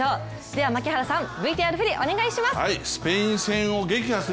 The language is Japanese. では槙原さん、ＶＴＲふりお願いします。